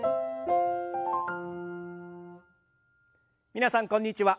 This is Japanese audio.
皆さんこんにちは。